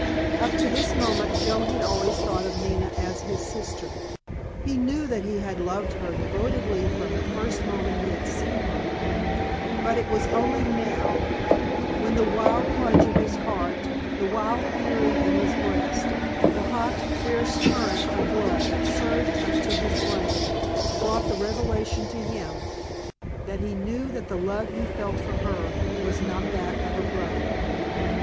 Up to this moment Joe had always thought of Nina as his sister. He knew that he had loved her devotedly from the first moment he had seen her; but it was only now, when the wild plunge of his heart, the wild fury in his breast, the hot, fierce current of blood that surged up to his brain brought the revelation to him, that he knew that the love he felt for her was not that of a brother.